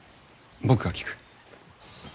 僕が聞く。